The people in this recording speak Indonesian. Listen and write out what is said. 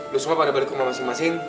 lu semua pada balik rumah masing masing